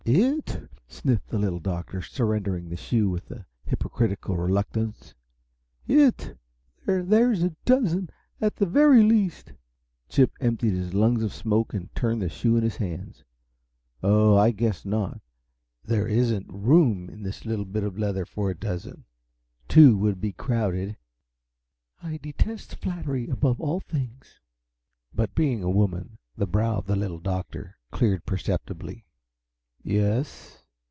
"IT?" sniffed the Little Doctor, surrendering the shoe with hypocritical reluctance. "It? There's a dozen, at the very least!" Chip emptied his lungs of smoke, and turned the shoe in his hands. "Oh, I guess not there isn't room in this little bit of leather for a dozen. Two would be crowded." "I detest flattery above all things!" But, being a woman, the brow of the Little Doctor cleared perceptibly. "Yes?